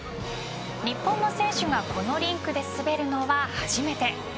日本の選手がこのリンクで滑るのは初めて。